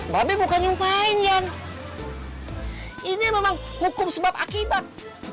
babi bukan nyumpain jan ini memang hukum sebab akibat